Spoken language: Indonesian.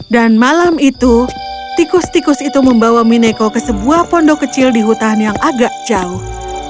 dan malam itu tikus tikus itu membawa mineko ke sebuah pondok kecil di hutan yang agak jauh